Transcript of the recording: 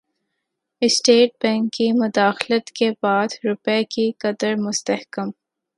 state bank کی مداخلت کے بعد روپے کی قدر مستحکم